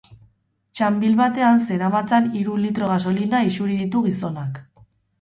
Txanbil batean zeramatzan hiru litro gasolina isuri ditu gizonak.